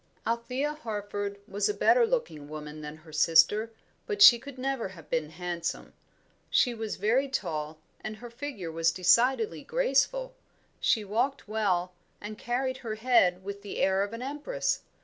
Althea Harford was a better looking woman than her sister, but she could never have been handsome. She was very tall, and her figure was decidedly graceful; she walked well, and carried her head with the air of an empress.